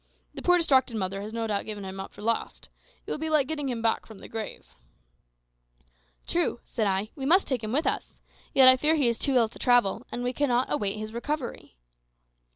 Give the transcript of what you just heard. The poor distracted mother has no doubt given him up for lost. It will be like getting him back from the grave." "True," said I; "we must take him with us. Yet I fear he is too ill to travel, and we cannot await his recovery."